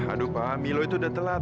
aduh pak milo itu udah telat